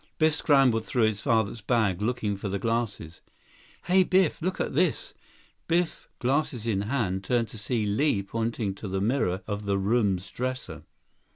Biff scrambled through his father's bag, looking for the glasses. "Hey, Biff. Look at this!" Biff, glasses in hand, turned to see Li pointing to the mirror of the room's dresser.